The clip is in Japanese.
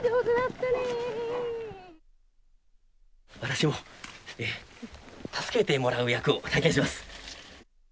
私も助けてもらう役を体験します。